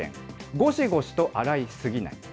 ごしごしと洗い過ぎない。